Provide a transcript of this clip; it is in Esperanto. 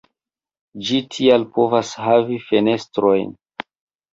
Ĝi tial povas havi fenestrojn.